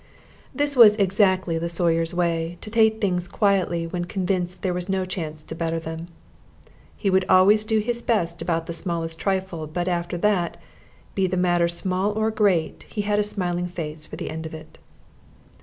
This was exactly the Sawyer's way to take things quietly when convinced that there was no chance to better them. He would always do his best about the smallest trifle; but after that, be the matter small or great, he had a smiling face for the end of it.